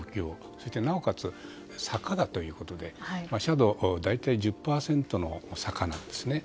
そしてなおかつ坂だということで大体、斜度１０％の坂なんですね。